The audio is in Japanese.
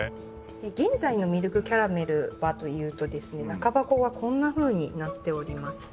現在のミルクキャラメルはというとですね中箱がこんなふうになっておりまして。